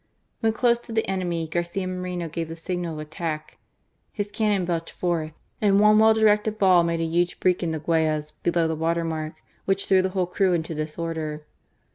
When close to the enemy, Garcia Moreno gave the signal of attack; his cannon belched forth, and one well directed ball made a huge breach in the Guayas below the water mark, which threw the whole crew into disorder.